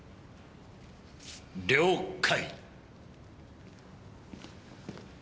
了解。